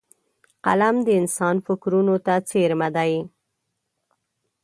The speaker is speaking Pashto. قلم د انسان فکرونو ته څېرمه دی